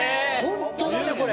ホントだねこれ。